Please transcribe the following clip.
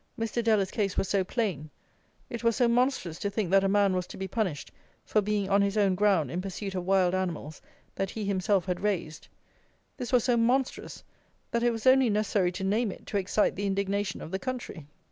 Mr. Deller's case was so plain: it was so monstrous to think that a man was to be punished for being on his own ground in pursuit of wild animals that he himself had raised: this was so monstrous, that it was only necessary to name it to excite the indignation of the country.